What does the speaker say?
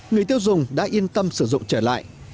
người tiêu dùng đã yên tâm sử dụng trở lại